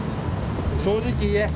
正直に言え。